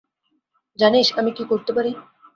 জানিস আমি কী করতে পারি!